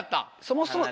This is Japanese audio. そもそも。